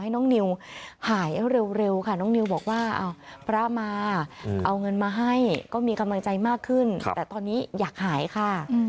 เงินมาให้ก็มีกำลังใจมากขึ้นแต่ตอนนี้อยากหายค่ะ